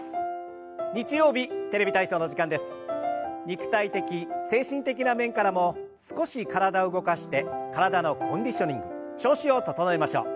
肉体的精神的な面からも少し体を動かして体のコンディショニング調子を整えましょう。